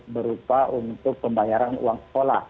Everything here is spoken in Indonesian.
berupa untuk pembayaran uang sekolah